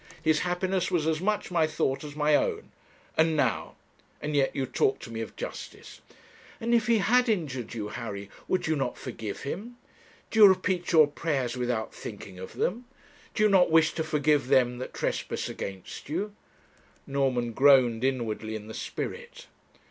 His happiness was as much my thought as my own. And now and yet you talk to me of justice.' 'And if he had injured you, Harry, would you not forgive him? Do you repeat your prayers without thinking of them? Do you not wish to forgive them that trespass against you?' Norman groaned inwardly in the spirit.